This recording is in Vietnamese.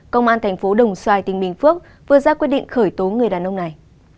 công an tp đồng xoài tỉnh bình phước vừa ra quyết định khởi tố người đàn ông này